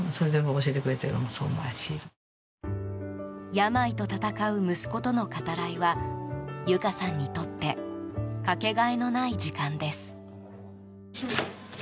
病と闘う息子との語らいは由香さんにとってかけがえのない時間です。